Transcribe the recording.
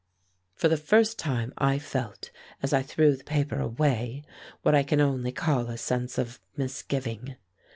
For the first time I felt, as I threw the paper away, what I can only call a sense of misgiving.